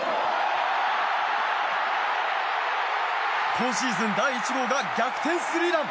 今シーズン第１号が逆転スリーラン！